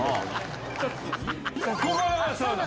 ここがサウナ！